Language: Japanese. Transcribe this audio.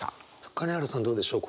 金原さんどうでしょう？